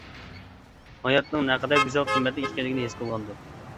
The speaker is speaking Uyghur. ھاياتنىڭ نەقەدەر گۈزەل قىممەتلىك ئىكەنلىكىنى ھېس قىلغاندۇر.